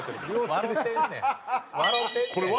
笑うてんねん。